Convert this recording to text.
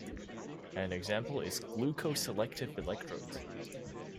An example is glucose selective electrodes.